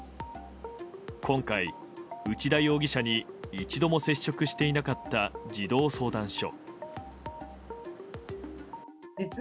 今回、内田容疑者に一度も接触していなかった児童相談所。